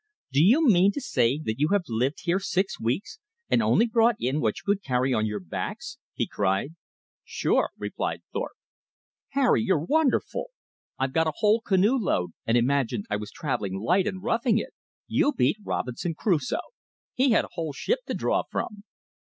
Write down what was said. "Do you mean to say you have lived here six weeks and only brought in what you could carry on your backs!" he cried. "Sure," Thorpe replied. "Harry, you're wonderful! I've got a whole canoe load, and imagined I was travelling light and roughing it. You beat Robinson Crusoe! He had a whole ship to draw from."